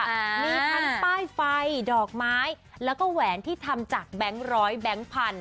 มีทั้งป้ายไฟดอกไม้แล้วก็แหวนที่ทำจากแบงค์ร้อยแบงค์พันธ